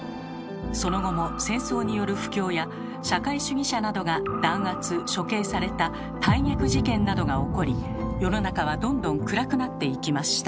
その後も戦争による不況や社会主義者などが弾圧処刑された大逆事件などが起こり世の中はどんどん暗くなっていきました。